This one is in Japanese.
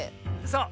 そう。